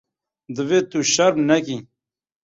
Divê tu şerm nekî.